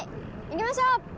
行きましょう！